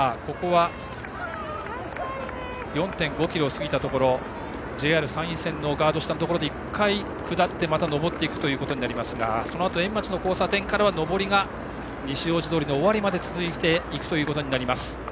４．５ｋｍを過ぎましてＪＲ山陰線のガード下のところで１回下ってまた上っていくところですがそのあと、円町の交差点からは上りが西大路通の終わりまで続いていくことになります。